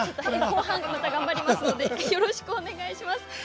後半、また頑張りますのでよろしくお願いします。